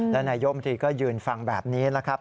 และนายมตรีก็ยืนฟังแบบนี้นะครับ